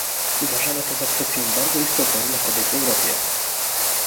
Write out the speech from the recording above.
Uważamy to za kwestię bardzo istotną dla kobiet w Europie